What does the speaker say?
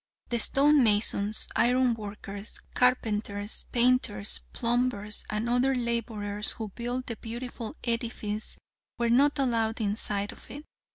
The stone masons, iron workers, carpenters, painters, plumbers and other laborers who built the beautiful edifice were not allowed inside of it.